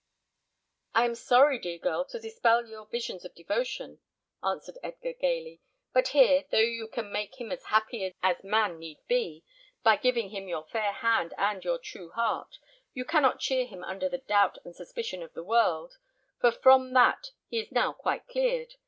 "I am sorry, dear girl, to dispel your visions of devotion," answered Edgar, gaily; "but here, though you can make him as happy as man need be, by giving him your fair hand and your true heart, you cannot cheer him under the doubt and suspicion of the world, for from that he is now quite cleared.